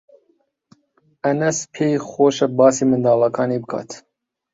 ئەنەس پێی خۆشە باسی منداڵەکانی بکات.